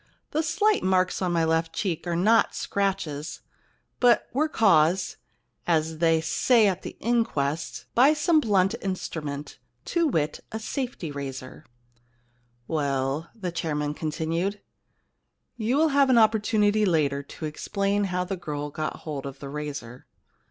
* The slight marks on my left cheek are not scratches, but were caused — as they say at the inquests — by some blunt instrument, to wit, a safety razor.' * Well,' the chairman continued, * you will have an opportunity later to explain how the girl got hold of the razor.